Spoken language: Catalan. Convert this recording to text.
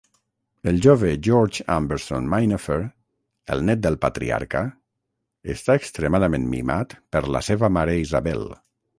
El jove George Amberson Minafer, el net del patriarca, està extremadament mimat per la seva mare Isabel.